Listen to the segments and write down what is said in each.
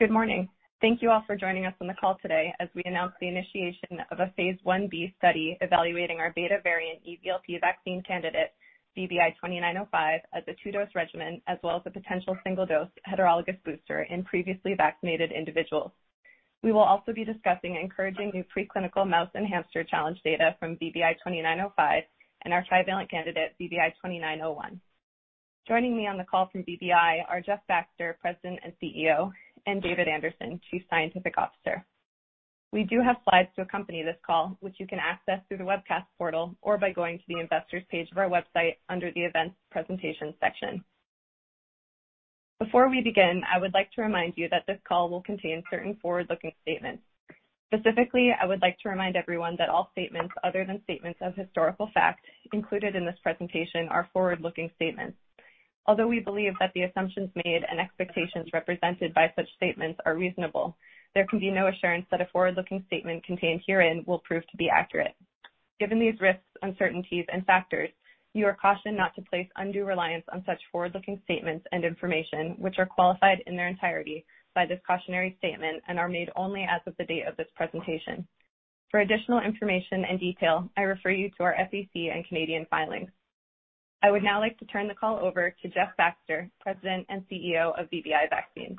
Good morning. Thank you all for joining us on the call today as we announce the initiation of a phase I-B study evaluating our Beta variant eVLP vaccine candidate, VBI-2905, as a 2-dose regimen, as well as a potential single-dose heterologous booster in previously vaccinated individuals. We will also be discussing encouraging new preclinical mouse and hamster challenge data from VBI-2905 and our trivalent candidate, VBI-2901. Joining me on the call from VBI are Jeff Baxter, President and CEO, and David Anderson, Chief Scientific Officer. We do have slides to accompany this call, which you can access through the webcast portal or by going to the investors' page of our website under the events presentation section. Before we begin, I would like to remind you that this call will contain certain forward-looking statements. Specifically, I would like to remind everyone that all statements other than statements of historical fact included in this presentation are forward-looking statements. Although we believe that the assumptions made and expectations represented by such statements are reasonable, there can be no assurance that a forward-looking statement contained herein will prove to be accurate. Given these risks, uncertainties, and factors, you are cautioned not to place undue reliance on such forward-looking statements and information, which are qualified in their entirety by this cautionary statement and are made only as of the date of this presentation. For additional information and detail, I refer you to our SEC and Canadian filings. I would now like to turn the call over to Jeff Baxter, President and CEO of VBI Vaccines.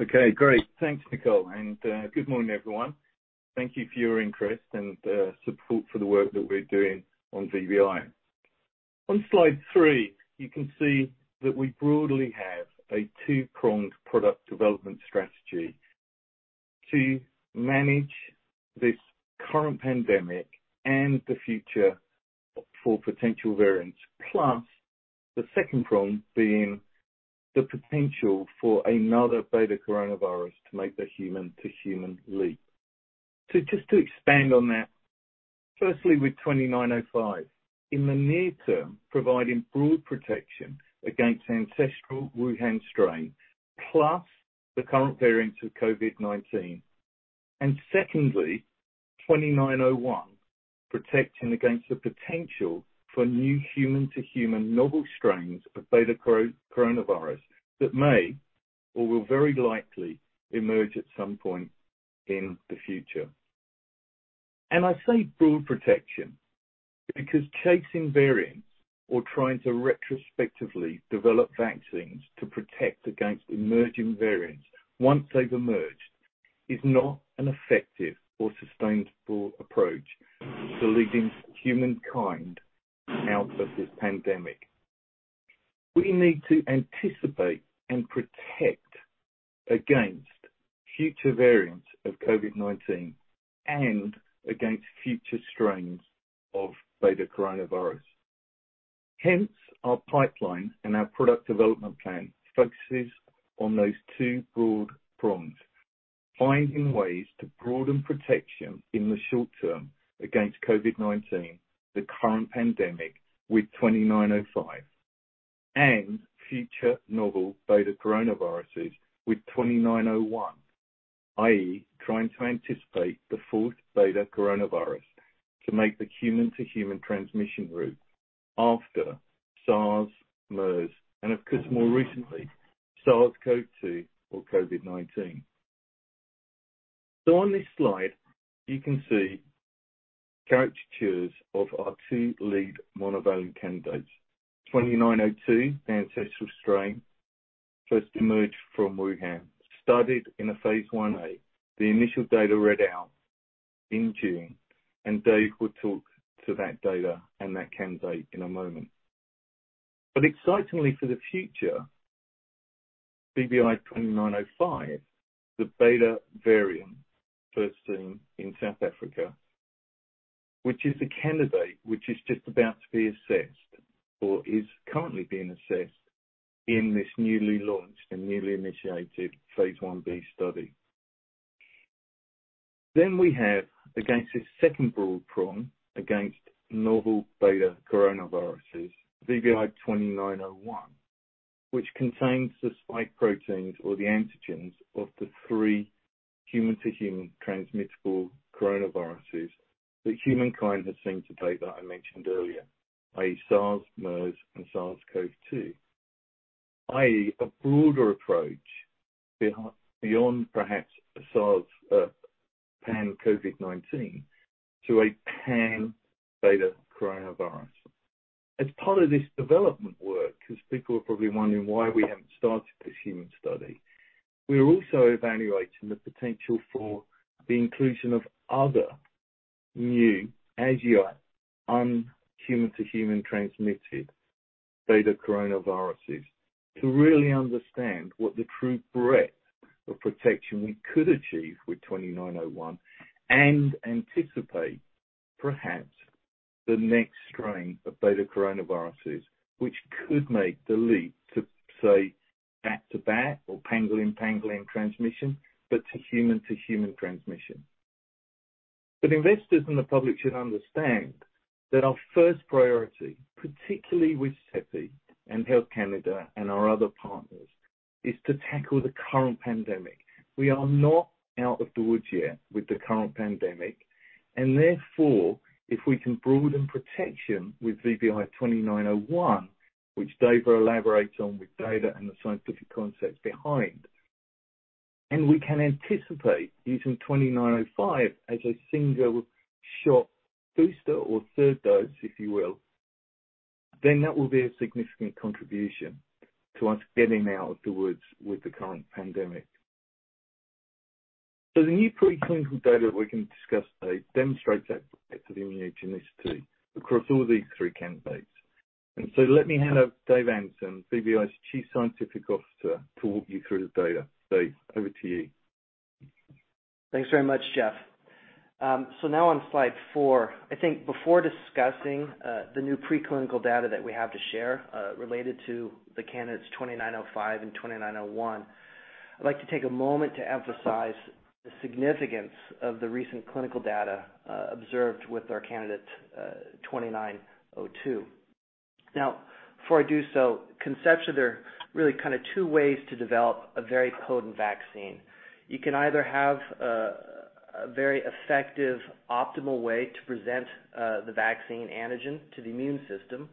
Okay, great. Thanks, Nicole, good morning, everyone. Thank you for your interest and support for the work that we're doing on VBI. On Slide three, you can see that we broadly have a two-pronged product development strategy to manage this current pandemic and the future for potential variants, plus the second prong being the potential for another Betacoronavirus to make the human-to-human leap. Just to expand on that, firstly with 2905, in the near term, providing broad protection against ancestral Wuhan strain, plus the current variants of COVID-19. Secondly, 2901, protecting against the potential for new human-to-human novel strains of Betacoronavirus that may or will very likely emerge at some point in the future. I say broad protection because chasing variants or trying to retrospectively develop vaccines to protect against emerging variants once they've emerged is not an effective or sustainable approach to leading humankind out of this pandemic. We need to anticipate and protect against future variants of COVID-19 and against future strains of Betacoronavirus. Our pipeline and our product development plan focuses on those two broad prongs, finding ways to broaden protection in the short term against COVID-19, the current pandemic, with VBI-2905, and future novel Betacoronaviruses with VBI-2901, i.e., trying to anticipate the fourth Betacoronavirus to make the human-to-human transmission route after SARS, MERS, and of course, more recently, SARS-CoV-2 or COVID-19. On this slide, you can see caricatures of our two lead monovalent candidates. VBI-2902, the ancestral strain first emerged from Wuhan, studied in a phase I-A. The initial data read out in June. David will talk to that data and that candidate in a moment. Excitingly for the future, VBI-2905, the Beta variant first seen in South Africa, which is a candidate which is just about to be assessed or is currently being assessed in this newly launched and newly initiated phase I-B study. We have, against this second broad prong against novel Betacoronaviruses, VBI-2901, which contains the spike proteins or the antigens of the three human-to-human transmittable coronaviruses that humankind has seen to date that I mentioned earlier, i.e., SARS, MERS, and SARS-CoV-2, i.e., a broader approach beyond perhaps SARS, pan-COVID-19 to a pan-Betacoronavirus. As part of this development work, because people are probably wondering why we haven't started this human study, we are also evaluating the potential for the inclusion of other new, as-yet un-human-to-human transmitted Betacoronaviruses to really understand what the true breadth of protection we could achieve with 2901 and anticipate perhaps the next strain of Betacoronaviruses, which could make the leap to, say, bat to bat or pangolin-pangolin transmission, but to human-to-human transmission. Investors and the public should understand that our first priority, particularly with CEPI and Health Canada and our other partners, is to tackle the current pandemic. We are not out of the woods yet with the current pandemic, and therefore, if we can broaden protection with VBI-2901, which David Anderson will elaborate on with data and the scientific concepts behind, we can anticipate using 2905 as a single-shot booster or third dose, if you will. That will be a significant contribution to us getting out of the woods with the current pandemic. The new preclinical data we're going to discuss today demonstrates that breadth of immunogenicity across all these three candidates. Let me hand over to David Anderson, VBI's Chief Scientific Officer, to walk you through the data. Dave, over to you. Thanks very much, Jeff. Now on Slide four, I think before discussing the new preclinical data that we have to share related to the candidates VBI-2905 and VBI-2901, I'd like to take a moment to emphasize the significance of the recent clinical data observed with our candidate VBI-2902. Now, before I do so, conceptually, there are really kind of two ways to develop a very potent vaccine. You can either have a very effective, optimal way to present the vaccine antigen to the immune system,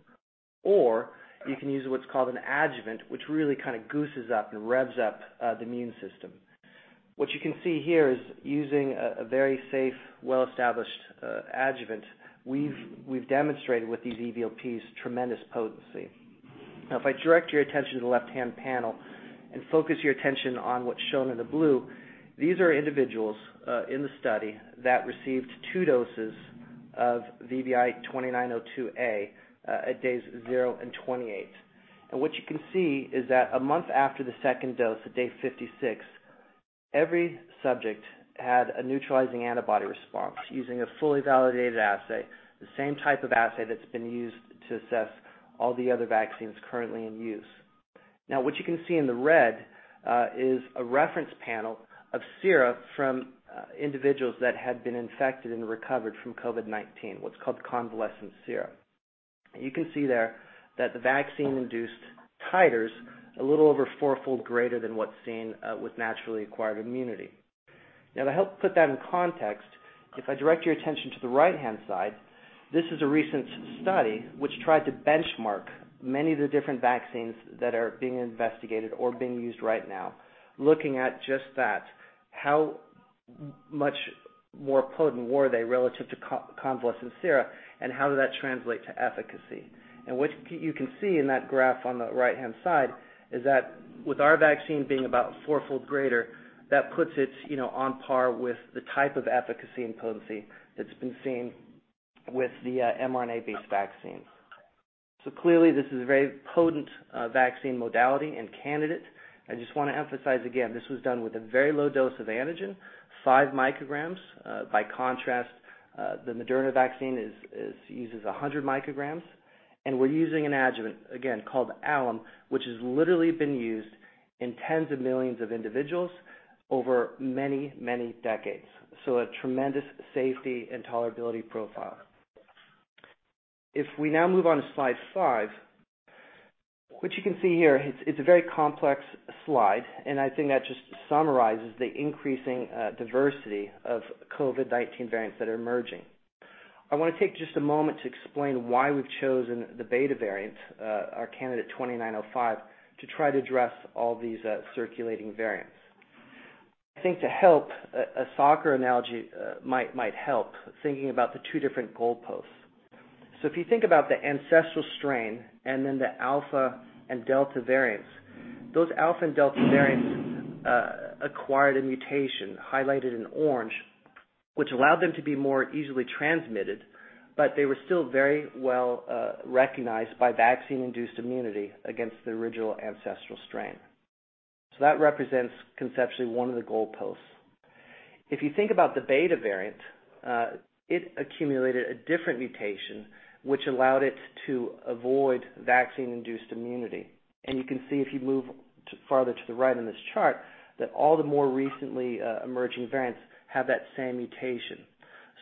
or you can use what's called an adjuvant, which really kind of gooses up and revs up the immune system. What you can see here is using a very safe, well-established adjuvant, we've demonstrated with these eVLPs tremendous potency. If I direct your attention to the left-hand panel and focus your attention on what's shown in the blue, these are individuals in the study that received two doses of VBI-2902a at days and 28. What you can see is that a month after the second dose, at day 56, every subject had a neutralizing antibody response using a fully validated assay, the same type of assay that's been used to assess all the other vaccines currently in use. What you can see in the red is a reference panel of sera from individuals that had been infected and recovered from COVID-19, what's called convalescent sera. You can see there that the vaccine-induced titers a little over 4-fold greater than what's seen with naturally acquired immunity. Now, to help put that in context, if I direct your attention to the right-hand side, this is a recent study which tried to benchmark many of the different vaccines that are being investigated or being used right now, looking at just that. How much more potent were they relative to convalescent sera, and how did that translate to efficacy? What you can see in that graph on the right-hand side is that with our vaccine being about 4-fold greater, that puts it on par with the type of efficacy and potency that's been seen with the mRNA-based vaccines. Clearly, this is a very potent vaccine modality and candidate. I just want to emphasize again, this was done with a very low dose of antigen, 5 ug. By contrast, the Moderna vaccine uses 100 ug. We're using an adjuvant, again, called alum, which has literally been used in tens of millions of individuals over many, many decades. A tremendous safety and tolerability profile. We now move on to Slide five, what you can see here, it's a very complex slide, and I think that just summarizes the increasing diversity of COVID-19 variants that are emerging. I want to take just a moment to explain why we've chosen the Beta variant, our candidate 2905, to try to address all these circulating variants. I think to help, a soccer analogy might help, thinking about the two different goalposts. If you think about the ancestral strain and then the Alpha and Delta variants, those Alpha and Delta variants acquired a mutation highlighted in orange, which allowed them to be more easily transmitted, but they were still very well recognized by vaccine-induced immunity against the original ancestral strain. That represents conceptually one of the goalposts. If you think about the Beta variant, it accumulated a different mutation, which allowed it to avoid vaccine-induced immunity. You can see if you move further to the right in this chart, that all the more recently emerging variants have that same mutation.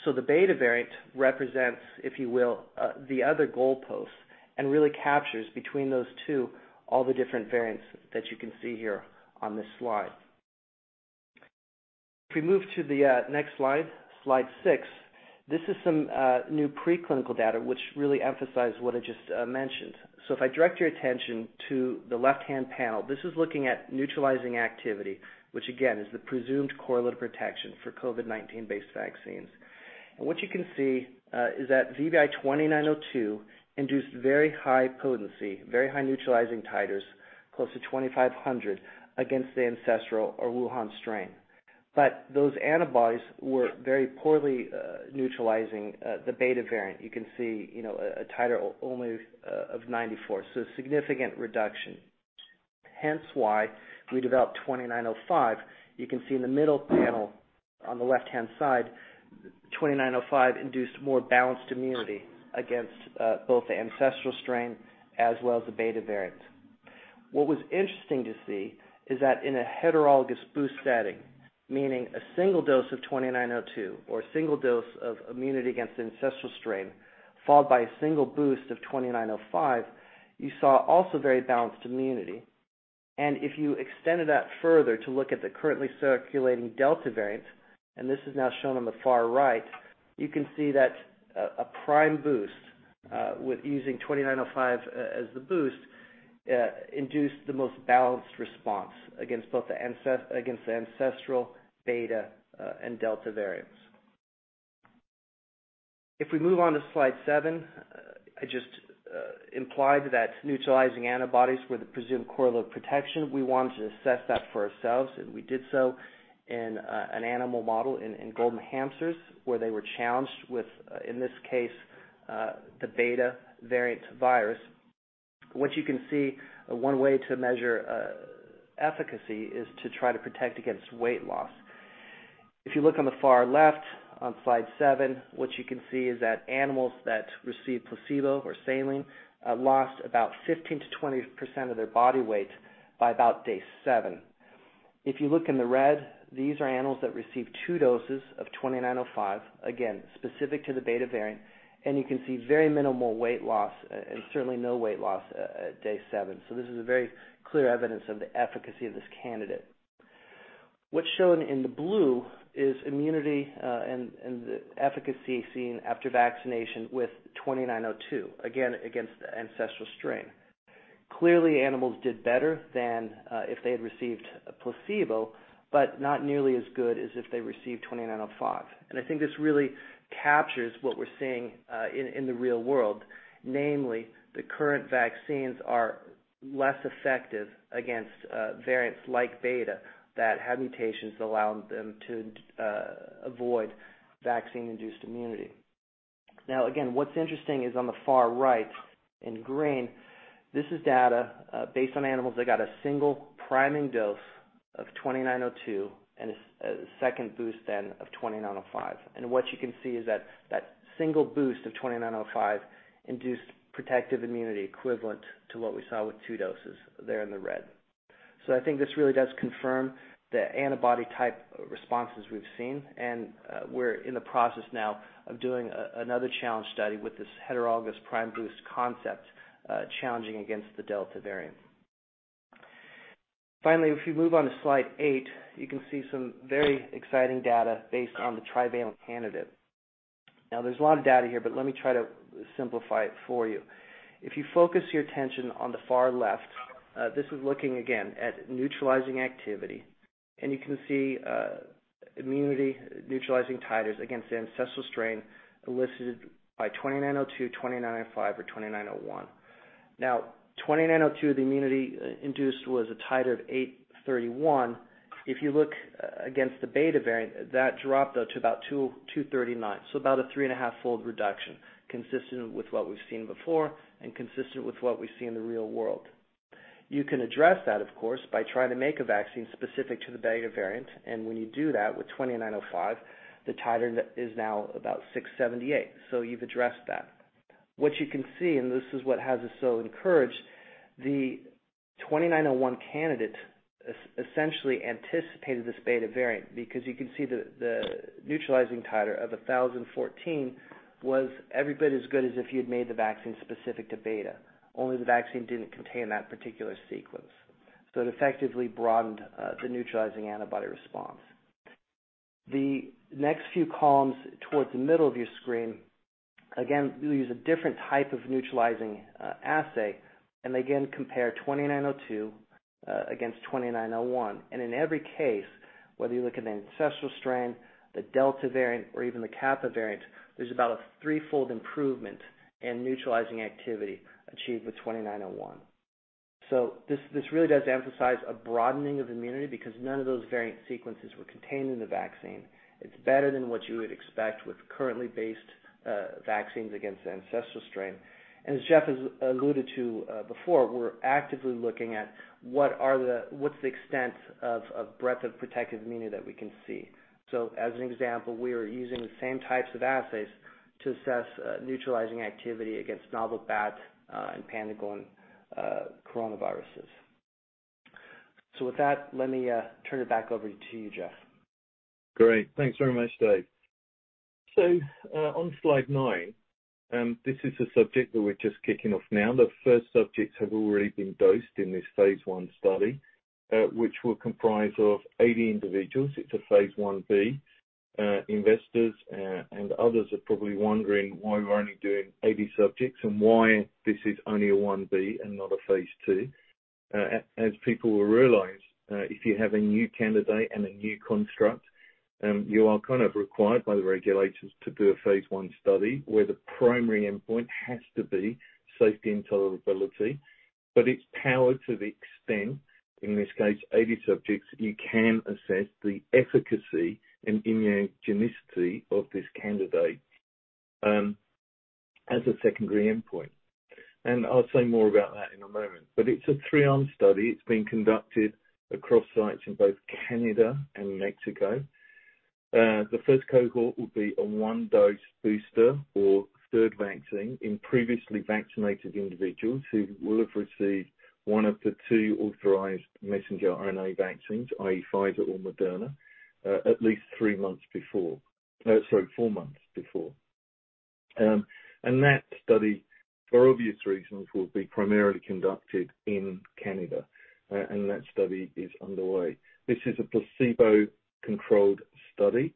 The Beta variant represents, if you will, the other goalpost, and really captures between those two all the different variants that you can see here on this slide. If we move to the next Slide six, this is some new preclinical data, which really emphasize what I just mentioned. If I direct your attention to the left-hand panel, this is looking at neutralizing activity, which again, is the presumed correlate of protection for COVID-19-based vaccines. What you can see is that VBI-2902 induced very high potency, very high neutralizing titers, close to 2,500 against the ancestral or Wuhan strain. Those antibodies were very poorly neutralizing the Beta variant. You can see a titer only of 94, so a significant reduction, hence why we developed 2905. You can see in the middle panel on the left-hand side, 2905 induced more balanced immunity against both the ancestral strain as well as the Beta variant. What was interesting to see is that in a heterologous boost setting, meaning a single dose of 2902 or a single dose of immunity against the ancestral strain, followed by a single boost of 2905, you saw also very balanced immunity. If you extended that further to look at the currently circulating Delta variant, and this is now shown on the far right, you can see that a prime boost using 2905 as the boost, induced the most balanced response against both the ancestral Beta and Delta variants. If we move on to Slide seven, I just implied that neutralizing antibodies were the presumed correlate protection. We wanted to assess that for ourselves, and we did so in an animal model in golden hamsters where they were challenged with, in this case, the Beta variant virus. What you can see, one way to measure efficacy is to try to protect against weight loss. You look on the far left, on Slide seven, what you can see is that animals that received placebo or saline lost about 15%-20% of their body weight by about day seven. You look in the red, these are animals that received two doses of VBI-2905, again, specific to the Beta variant, and you can see very minimal weight loss, and certainly no weight loss at day seven. This is a very clear evidence of the efficacy of this candidate. What's shown in the blue is immunity and the efficacy seen after vaccination with 2902, again, against the ancestral strain. Clearly, animals did better than if they had received a placebo, but not nearly as good as if they received 2905. I think this really captures what we're seeing in the real world. Namely, the current vaccines are less effective against variants like Beta that have mutations that allow them to avoid vaccine-induced immunity. Now again, what's interesting is on the far right in green, this is data based on animals that got a single priming dose of 2902 and a second boost then of 2905. What you can see is that that single boost of 2905 induced protective immunity equivalent to what we saw with two doses there in the red. I think this really does confirm the antibody type responses we've seen, and we're in the process now of doing another challenge study with this heterologous prime boost concept challenging against the Delta variant. Finally, if you move on to Slide eight, you can see some very exciting data based on the trivalent candidate. There's a lot of data here, but let me try to simplify it for you. You can see immunity-neutralizing titers against the ancestral strain elicited by 2902, 2905, or 2901. 2902, the immunity induced was a titer of 831. If you look against the Beta variant, that dropped though to about 239, so about a 3.5-fold reduction, consistent with what we've seen before and consistent with what we see in the real world. You can address that, of course, by trying to make a vaccine specific to the Beta variant, and when you do that with 2905, the titer is now about 678. You've addressed that. What you can see, and this is what has us so encouraged, the 2901 candidate essentially anticipated this Beta variant, because you can see the neutralizing titer of 1,014 was every bit as good as if you'd made the vaccine specific to Beta. Only the vaccine didn't contain that particular sequence. It effectively broadened the neutralizing antibody response. The next few columns towards the middle of your screen, again, we use a different type of neutralizing assay, and again compare 2902 against 2901. In every case, whether you look at the ancestral strain, the Delta variant, or even the Kappa variant, there's about a 3-fold improvement in neutralizing activity achieved with 2901. This really does emphasize a broadening of immunity because none of those variant sequences were contained in the vaccine. It's better than what you would expect with currently based vaccines against the ancestral strain. As Jeff has alluded to before, we're actively looking at what's the extent of breadth of protective immunity that we can see. As an example, we are using the same types of assays to assess neutralizing activity against novel bat and pangolin coronaviruses. With that, let me turn it back over to you, Jeff. Great. Thanks very much, Dave. On Slide nine, this is a subject that we're just kicking off now. The first subjects have already been dosed in this phase I study, which will comprise of 80 individuals. It's a phase I-B. Investors and others are probably wondering why we're only doing 80 subjects and why this is only a I-B and not a phase II. As people will realize, if you have a new candidate and a new construct, you are kind of required by the regulators to do a phase I study where the primary endpoint has to be safety and tolerability. It's powered to the extent, in this case, 80 subjects, you can assess the efficacy and immunogenicity of this candidate as a secondary endpoint. I'll say more about that in a moment, but it's a three-arm study. It's being conducted across sites in both Canada and Mexico. The first cohort will be a one-dose booster or third vaccine in previously vaccinated individuals who will have received one of the two authorized messenger RNA vaccines, i.e., Pfizer or Moderna, at least four months before. That study, for obvious reasons, will be primarily conducted in Canada, and that study is underway. This is a placebo-controlled study.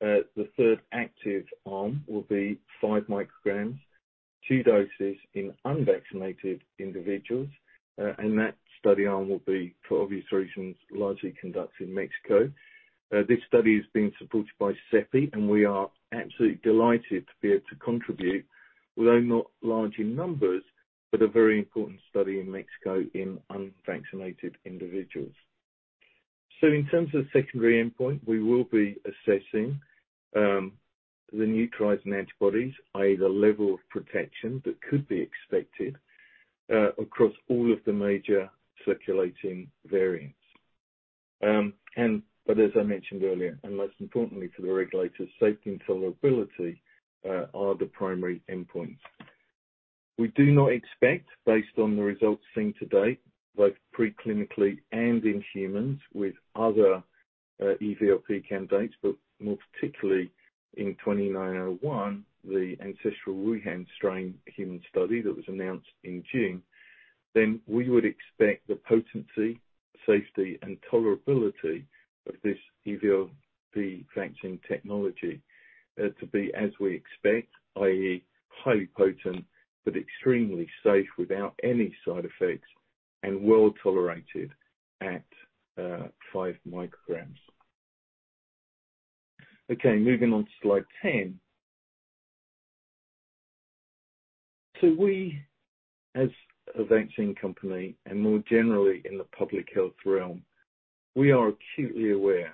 The third active arm will be five micrograms, two doses in unvaccinated individuals. That study arm will be, for obvious reasons, largely conducted in Mexico. This study is being supported by CEPI, and we are absolutely delighted to be able to contribute, although not large in numbers, but a very important study in Mexico in unvaccinated individuals. In terms of the secondary endpoint, we will be assessing the neutralizing antibodies, i.e., the level of protection that could be expected across all of the major circulating variants. As I mentioned earlier, and most importantly to the regulators, safety and tolerability are the primary endpoints. We do not expect, based on the results seen to date, both preclinically and in humans, with other eVLP candidates, but more particularly in 2901, the ancestral Wuhan strain human study that was announced in June, then we would expect the potency, safety, and tolerability of this eVLP vaccine technology to be as we expect, i.e., highly potent, but extremely safe without any side effects, and well-tolerated at 5 ug. Moving on to Slide 10. We, as a vaccine company, and more generally in the public health realm, we are acutely aware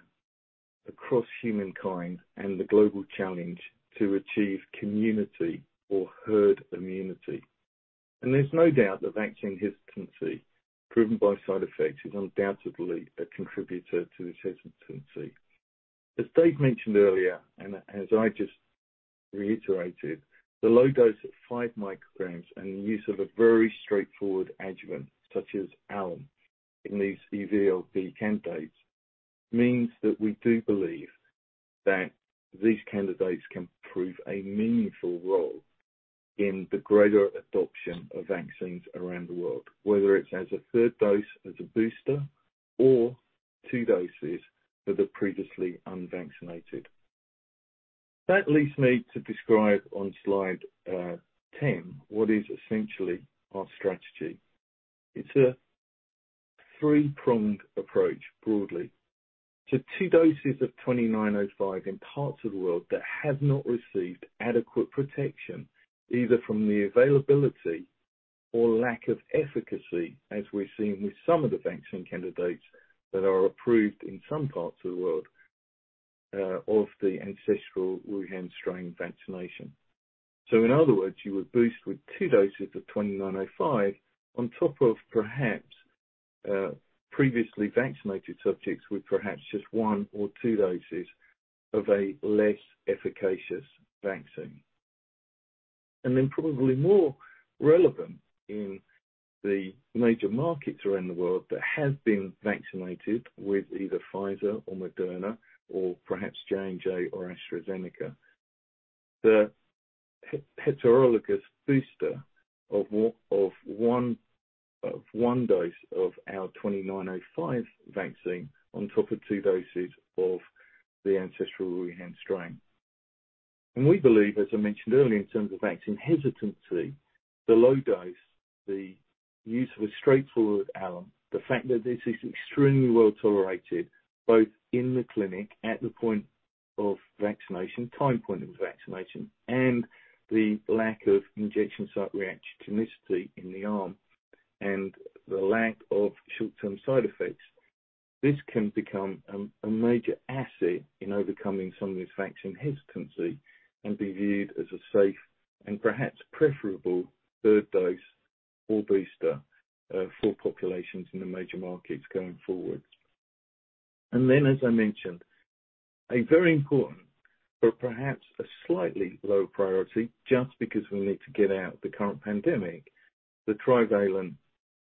across humankind and the global challenge to achieve community or herd immunity. There's no doubt that vaccine hesitancy driven by side effects is undoubtedly a contributor to this hesitancy. As Dave mentioned earlier, and as I just reiterated, the low dose at 5 ug and the use of a very straightforward adjuvant, such as alum in these eVLP candidates, means that we do believe that these candidates can prove a meaningful role in the greater adoption of vaccines around the world, whether it's as a third dose, as a booster, or two doses for the previously unvaccinated. That leads me to describe on Slide 10 what is essentially our strategy. It's a three-pronged approach broadly. Two doses of 2905 in parts of the world that have not received adequate protection, either from the availability or lack of efficacy, as we're seeing with some of the vaccine candidates that are approved in some parts of the world, of the ancestral Wuhan strain vaccination. In other words, you would boost with two doses of 2905 on top of perhaps previously vaccinated subjects with perhaps just one or two doses of a less efficacious vaccine. Probably more relevant in the major markets around the world that have been vaccinated with either Pfizer or Moderna or perhaps J&J or AstraZeneca. The heterologous booster of one dose of our 2905 vaccine on top of two doses of the ancestral Wuhan strain. We believe, as I mentioned earlier, in terms of vaccine hesitancy, the low dose, the use of a straightforward alum, the fact that this is extremely well-tolerated, both in the clinic at the point of vaccination, time point of vaccination, and the lack of injection site reactogenicity in the arm, and the lack of short-term side effects. This can become a major asset in overcoming some of this vaccine hesitancy and be viewed as a safe and perhaps preferable third dose or booster for populations in the major markets going forward. As I mentioned, a very important but perhaps a slightly low priority, just because we need to get out the current pandemic, the trivalent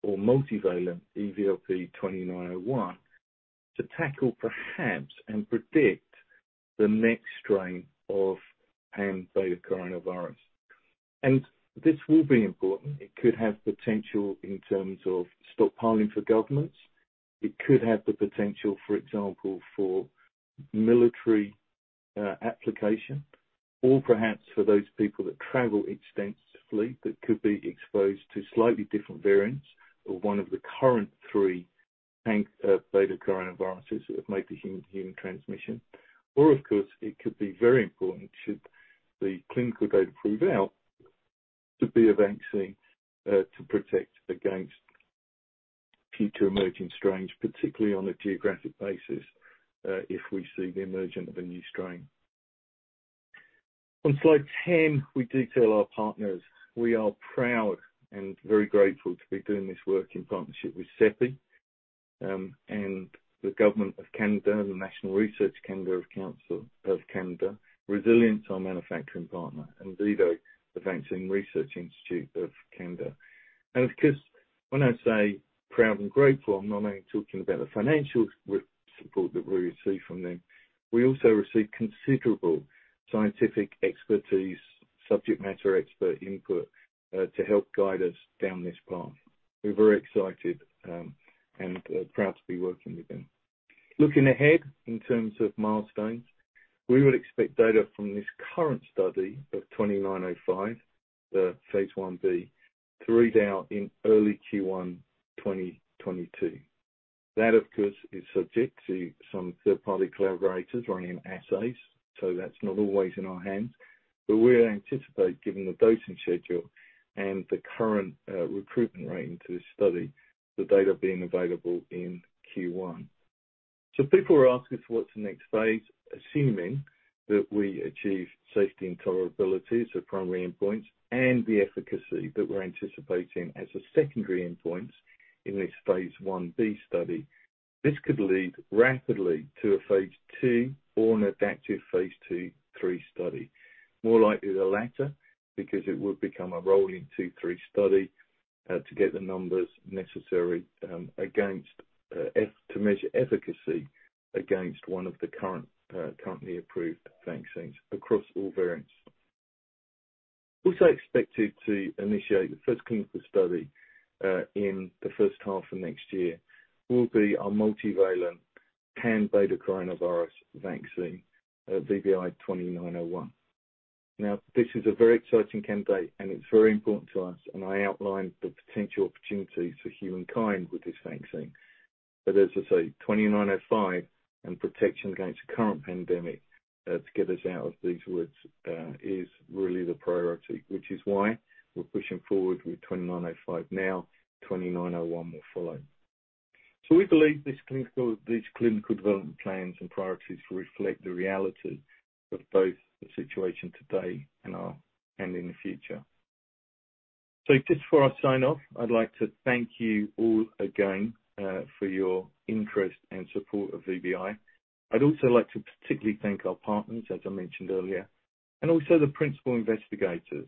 or multivalent VBI-2901 to tackle perhaps and predict the next strain of pan-beta-coronavirus. This will be important. It could have potential in terms of stockpiling for governments. It could have the potential, for example, for military application or perhaps for those people that travel extensively that could be exposed to slightly different variants or one of the current three pan-betacoronaviruses that have made the human-to-human transmission. Of course, it could be very important should the clinical data prove out to be a vaccine to protect against future emerging strains, particularly on a geographic basis if we see the emergence of a new strain. On slide 10, we detail our partners. We are proud and very grateful to be doing this work in partnership with CEPI, and the Government of Canada, the National Research Council of Canada, Resilience, our manufacturing partner, and VIDO, the Vaccine and Infectious Disease Organization. Of course, when I say proud and grateful, I'm not only talking about the financial support that we receive from them. We also receive considerable scientific expertise, subject matter expert input, to help guide us down this path. We're very excited and proud to be working with them. Looking ahead in terms of milestones, we would expect data from this current study of 2905, the phase I-B, through now in early Q1 2022. That, of course, is subject to some third-party collaborators running assays, so that's not always in our hands. We anticipate, given the dosing schedule and the current recruitment rate into this study, the data being available in Q1. People are asking for what's the next phase, assuming that we achieve safety and tolerability, so primary endpoints, and the efficacy that we're anticipating as the secondary endpoints in this phase I-B study. This could lead rapidly to a phase II or an adaptive phase II-III study. More likely the latter, because it would become a rolling II-III study to get the numbers necessary to measure efficacy against one of the currently approved vaccines across all variants. Also expected to initiate the first clinical study in the first half of next year will be our multivalent pan-betacoronavirus vaccine, 2901. This is a very exciting candidate, and it's very important to us, and I outlined the potential opportunities for humankind with this vaccine. As I say, 2905 and protection against the current pandemic to get us out of these woods is really the priority, which is why we're pushing forward with 2905 now. 2901 will follow. We believe these clinical development plans and priorities reflect the reality of both the situation today and in the future. Just before I sign off, I'd like to thank you all again for your interest and support of VBI. I'd also like to particularly thank our partners, as I mentioned earlier, and also the principal investigators,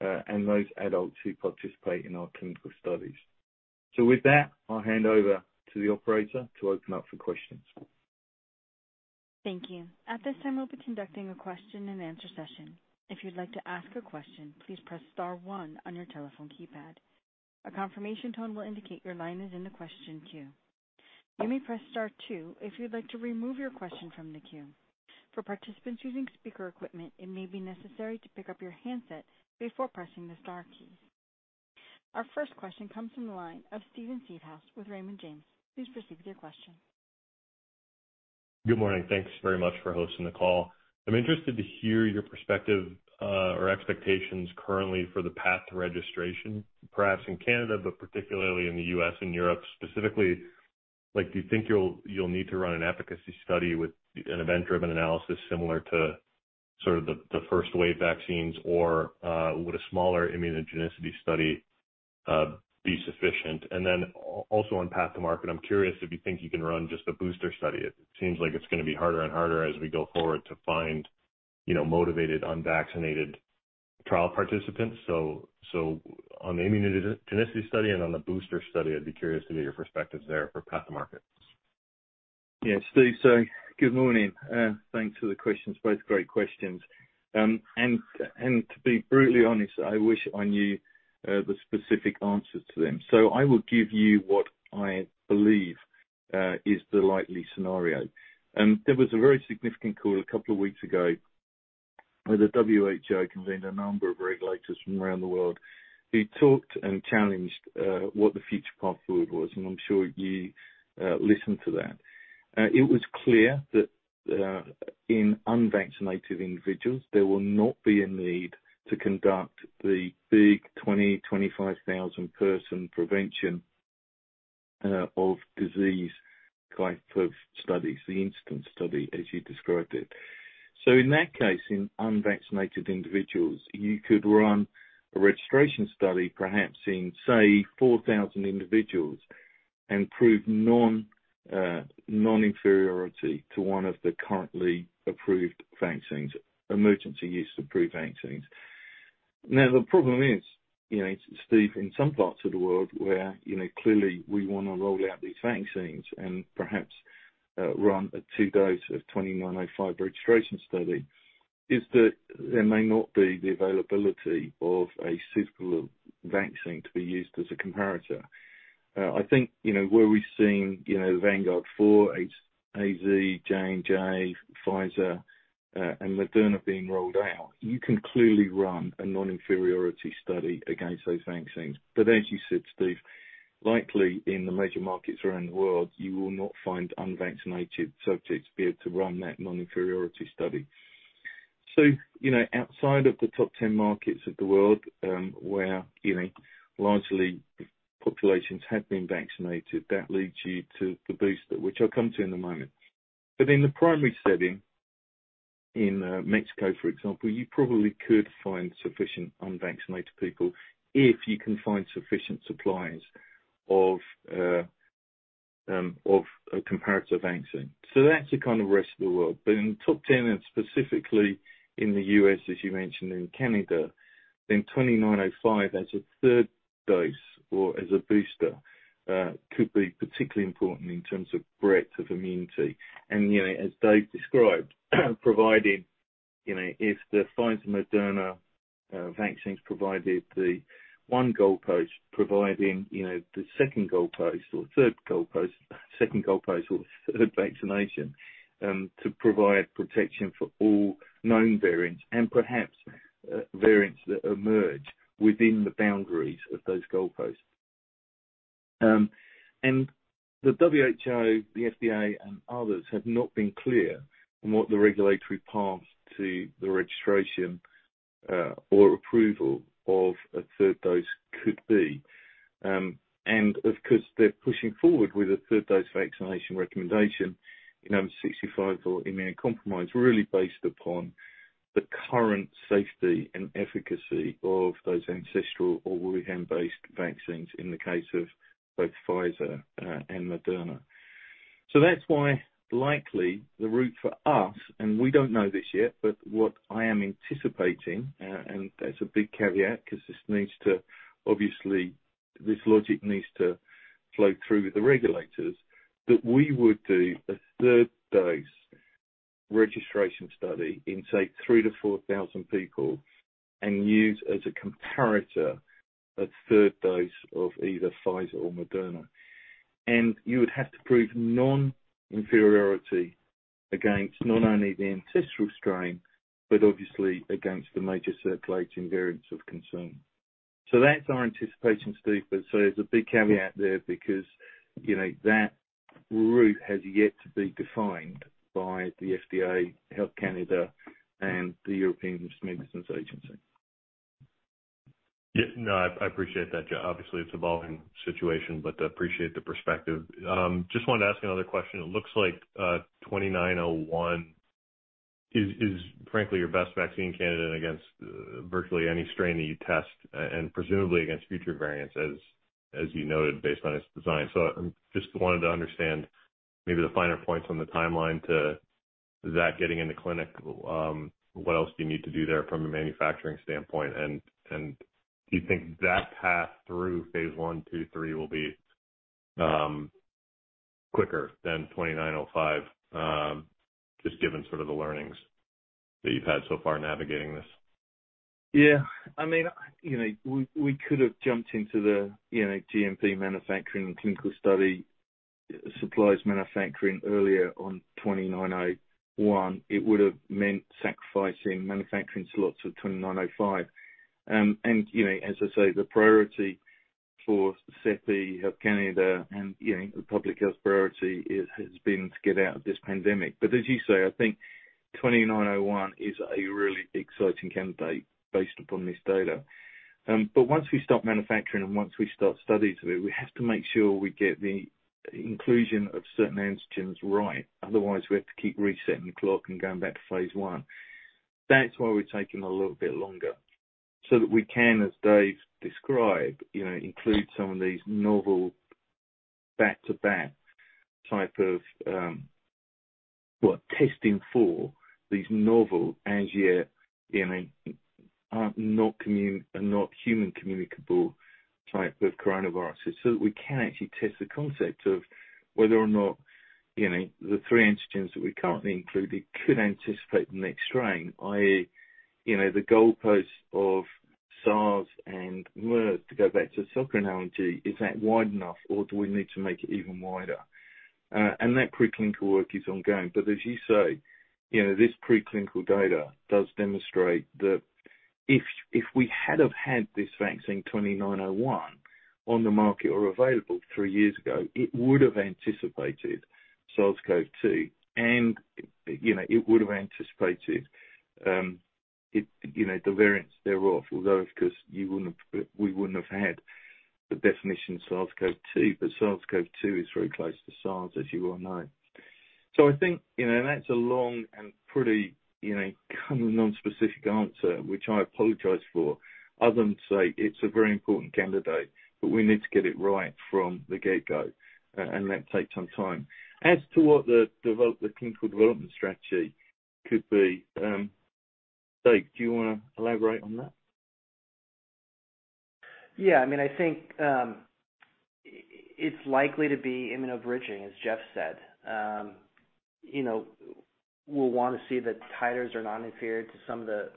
and those adults who participate in our clinical studies. With that, I'll hand over to the operator to open up for questions. Thank you. At this time I will be conducting a question-and-answer session. If you would like to ask a question please press star one on your telephone keypad. A confirmation tone will indicate your line is in the question queue. You may press star two if you would like to remove your question from the queue. For participants using speaker equipment it may be necessary to pick up your handset before pressing the star key. Our first question comes from the line of Steven Seedhouse with Raymond James. Please proceed with your question. Good morning. Thanks very much for hosting the call. I'm interested to hear your perspective or expectations currently for the path to registration, perhaps in Canada, but particularly in the U.S. and Europe. Specifically, do you think you'll need to run an efficacy study with an event-driven analysis similar to sort of the first-wave vaccines, or would a smaller immunogenicity study be sufficient? Also on path to market, I'm curious if you think you can run just a booster study. It seems like it's going to be harder and harder as we go forward to find motivated unvaccinated trial participants. On the immunogenicity study and on the booster study, I'd be curious to hear your perspectives there for path to market. Yeah, Steven Seedhouse, good morning, thanks for the questions, both great questions. To be brutally honest, I wish I knew the specific answers to them. I will give you what I believe is the likely scenario. There was a very significant call a couple of weeks ago where the WHO convened a number of regulators from around the world, who talked and challenged what the future path forward was. I'm sure you listened to that. It was clear that in unvaccinated individuals, there will not be a need to conduct the big 20,000, 25,000-person prevention of disease type of studies, the incidence study as you described it. In that case, in unvaccinated individuals, you could run a registration study perhaps in, say, 4,000 individuals and prove non-inferiority to one of the currently approved vaccines, emergency use approved vaccines. The problem is, Steve, in some parts of the world where clearly we want to roll out these vaccines and perhaps run a 2-dose of 2905 registration study, is that there may not be the availability of a suitable vaccine to be used as a comparator. I think, where we're seeing Vanguard 4, AZ, J&J, Pfizer, and Moderna being rolled out, you can clearly run a non-inferiority study against those vaccines. As you said, Steve, likely in the major markets around the world, you will not find unvaccinated subjects to be able to run that non-inferiority study. Outside of the top 10 markets of the world, where largely populations have been vaccinated, that leads you to the booster, which I'll come to in a moment. In the primary setting in Mexico, for example, you probably could find sufficient unvaccinated people if you can find sufficient supplies of a comparator vaccine. That's the kind of rest of the world. In the top 10 and specifically in the U.S., as you mentioned, and in Canada, VBI-2905 as a third dose or as a booster could be particularly important in terms of breadth of immunity. As Dave described, providing if the Pfizer, Moderna vaccines provided the one goalpost, providing the second goalpost or third vaccination to provide protection for all known variants and perhaps variants that emerge within the boundaries of those goalposts. The WHO, the FDA, and others have not been clear on what the regulatory path to the registration or approval of a third dose could be. Of course, they're pushing forward with a third dose vaccination recommendation in over 65s or immunocompromised, really based upon the current safety and efficacy of those ancestral or Wuhan-based vaccines in the case of both Pfizer and Moderna. That's why likely the route for us, and we don't know this yet, but what I am anticipating, and that's a big caveat because this logic needs to flow through with the regulators, that we would do a third dose registration study in, say, 3,000 to 4,000 people and use as a comparator a third dose of either Pfizer or Moderna. You would have to prove non-inferiority against not only the ancestral strain but obviously against the major circulating variants of concern. That's our anticipation, Steve. There's a big caveat there because that route has yet to be defined by the FDA, Health Canada, and the European Medicines Agency. Yeah. No, I appreciate that, Jeff. Obviously, it's an evolving situation, but I appreciate the perspective. Just wanted to ask another question. It looks like 2901 is frankly your best vaccine candidate against virtually any strain that you test and presumably against future variants, as you noted, based on its design. I just wanted to understand maybe the finer points on the timeline to that getting in the clinic. What else do you need to do there from a manufacturing standpoint? Do you think that path through phase I, II, III will be quicker than 2905, just given sort of the learnings that you've had so far navigating this? We could have jumped into the GMP manufacturing and clinical study supplies manufacturing earlier on 2901. It would have meant sacrificing manufacturing slots of 2905. As I say, the priority for the CEPI, Health Canada, and the public health priority has been to get out of this pandemic. As you say, I think 2901 is a really exciting candidate based upon this data. Once we start manufacturing and once we start studies with it, we have to make sure we get the inclusion of certain antigens right. Otherwise, we have to keep resetting the clock and going back to phase I. That's why we're taking a little bit longer, so that we can, as Dave described, include some of these novel, Well, testing for these novel, as yet, are not human communicable type of coronaviruses, so that we can actually test the concept of whether or not the three antigens that we currently included could anticipate the next strain, i.e., the goalpost of SARS and MERS, to go back to the soccer analogy, is that wide enough or do we need to make it even wider? That preclinical work is ongoing. As you say, this preclinical data does demonstrate that if we had have had this vaccine 2901 on the market or available three years ago, it would have anticipated SARS-CoV-2, and it would have anticipated the variants thereof, although, of course, we wouldn't have had the definition SARS-CoV-2. SARS-CoV-2 is very close to SARS, as you well know. I think that's a long and pretty kind of non-specific answer, which I apologize for. Other than to say it's a very important candidate, but we need to get it right from the get-go, and that takes some time. As to what the clinical development strategy could be, Dave, do you want to elaborate on that? Yeah. I think it's likely to be immunobridging, as Jeff said. We'll want to see that titers are non-inferior to some of the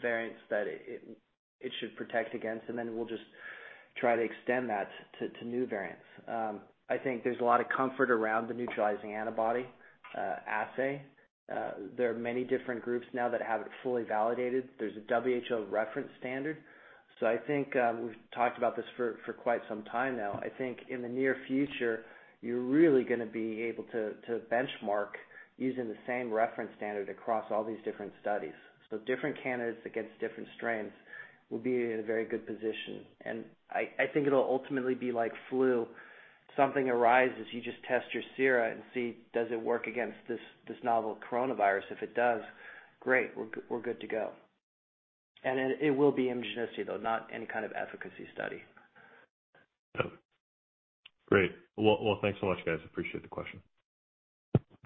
variants that it should protect against, and then we'll just try to extend that to new variants. I think there's a lot of comfort around the neutralizing antibody assay. There are many different groups now that have it fully validated. There's a WHO reference standard. I think we've talked about this for quite some time now. I think in the near future, you're really going to be able to benchmark using the same reference standard across all these different studies. Different candidates against different strains will be in a very good position. I think it'll ultimately be like flu. Something arises, you just test your sera and see does it work against this novel coronavirus. If it does, great, we're good to go. It will be immunogenicity, though, not any kind of efficacy study. Okay. Great. Well, thanks so much, guys. Appreciate the question.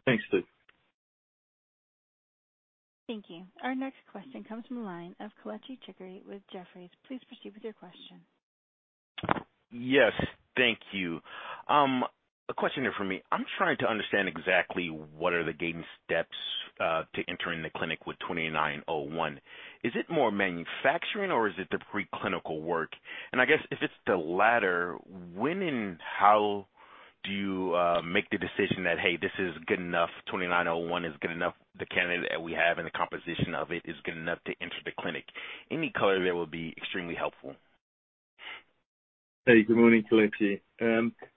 Thanks, Steve. Thank you. Our next question comes from the line of Kelechi Chikere with Jefferies. Please proceed with your question. Yes. Thank you. A question here from me. I'm trying to understand exactly what are the gating steps to entering the clinic with 2901. Is it more manufacturing, or is it the preclinical work? I guess if it's the latter, when and how do you make the decision that, hey, this is good enough, 2901 is good enough, the candidate that we have and the composition of it is good enough to enter the clinic? Any color there would be extremely helpful. Hey, good morning, Kelechi.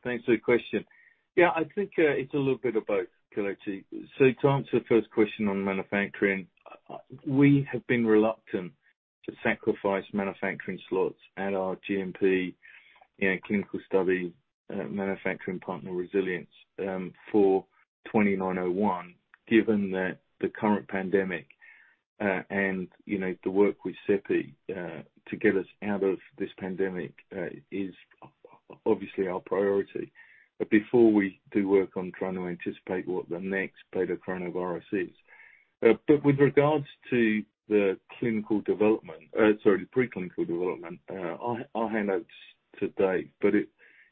Thanks for your question. Yeah, I think it's a little bit of both, Kelechi. To answer the first question on manufacturing, we have been reluctant to sacrifice manufacturing slots at our GMP clinical study manufacturing partner, Resilience, for 2901, given that the current pandemic, and the work with CEPI, to get us out of this pandemic, is obviously our priority. Before we do work on trying to anticipate what the next Betacoronavirus is. With regards to the preclinical development, I'll hand over to Dave.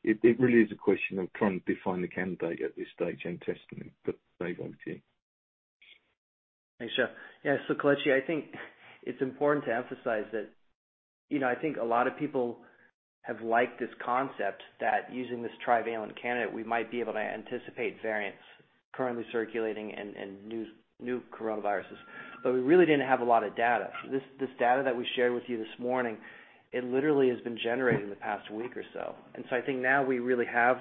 It really is a question of trying to define the candidate at this stage and testing it. Dave, over to you. Thanks, Jeff. Kelechi, I think it's important to emphasize that I think a lot of people have liked this concept that using this trivalent candidate, we might be able to anticipate variants currently circulating and new coronaviruses. We really didn't have a lot of data. This data that we shared with you this morning, it literally has been generated in the past week or so. I think now we really have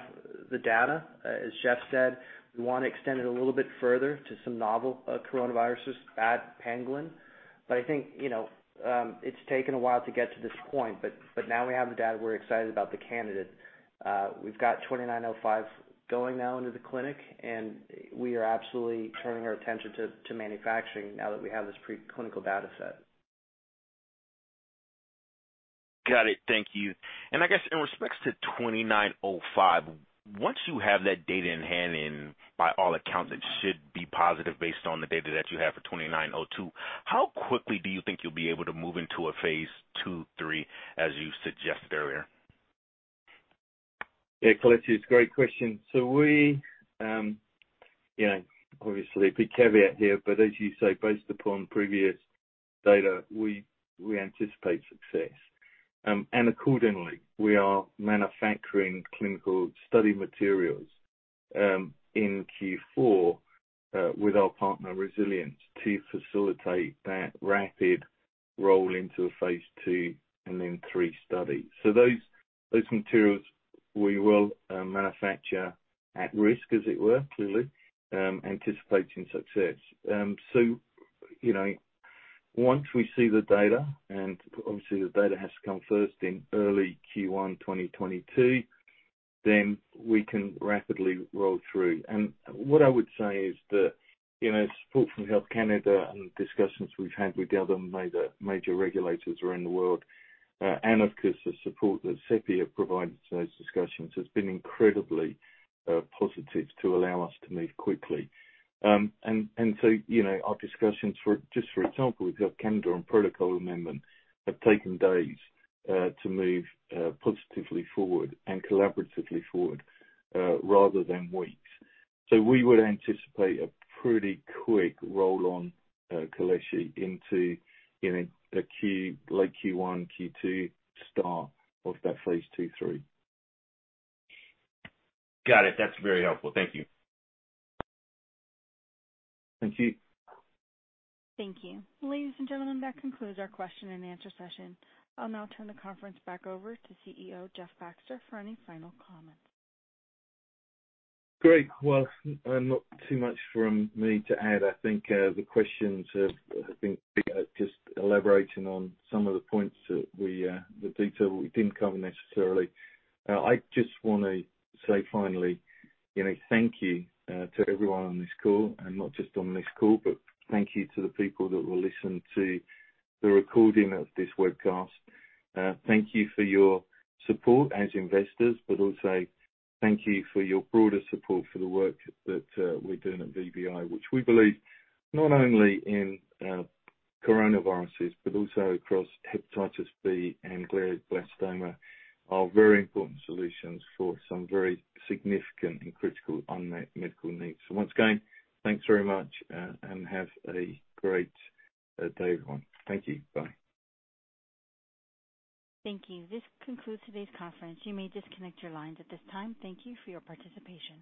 the data. As Jeff said, we want to extend it a little bit further to some novel coronaviruses at pangolin. I think it's taken a while to get to this point, but now we have the data, we're excited about the candidate. We've got 2905 going now into the clinic, and we are absolutely turning our attention to manufacturing now that we have this preclinical data set. Got it. Thank you. I guess in respects to 2905, once you have that data in hand and by all accounts, it should be positive based on the data that you have for 2902, how quickly do you think you'll be able to move into a phase II, III as you suggested earlier? Kelechi, it's a great question. We, obviously a big caveat here, but as you say, based upon previous data, we anticipate success. Accordingly, we are manufacturing clinical study materials in Q4 with our partner, Resilience, to facilitate that rapid roll into a phase II and then III study. Those materials we will manufacture at risk, as it were, clearly, anticipating success. Once we see the data, and obviously the data has to come first in early Q1 2022, we can rapidly roll through. What I would say is that support from Health Canada and discussions we've had with the other major regulators around the world, and of course, the support that CEPI have provided to those discussions has been incredibly positive to allow us to move quickly. Our discussions, just for example, with Health Canada on protocol amendment, have taken days to move positively forward and collaboratively forward, rather than weeks. We would anticipate a pretty quick roll-on, Kelechi, into a late Q1, Q2 start of that phase II, III. Got it. That's very helpful. Thank you. Thank you. Thank you. Ladies and gentlemen, that concludes our question-and-answer session. I will now turn the conference back over to CEO Jeff Baxter for any final comments. Great. Well, not too much from me to add. I think the questions have been just elaborating on some of the points that we detailed, we didn't cover necessarily. I just want to say finally, thank you to everyone on this call, and not just on this call, but thank you to the people that will listen to the recording of this webcast. Thank you for your support as investors, but also thank you for your broader support for the work that we're doing at VBI, which we believe not only in coronaviruses, but also across hepatitis B and glioblastoma, are very important solutions for some very significant and critical unmet medical needs. Once again, thanks very much and have a great day, everyone. Thank you. Bye. Thank you. This concludes today's conference. You may disconnect your lines at this time. Thank you for your participation.